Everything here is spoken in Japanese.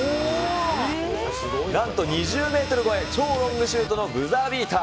なんと２０メートル超え、超ロングシュートのブザービーター。